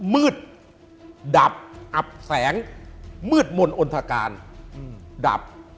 มืดดับอับแสงมืดมนต์อนทการดับ